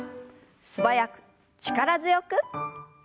素早く力強く。